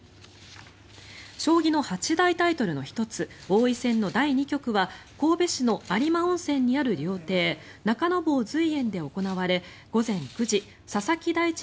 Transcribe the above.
将棋の八大タイトルの１つ王位戦の第２局は神戸市の有馬温泉にある料亭中の坊瑞苑で行われ午前９時佐々木大地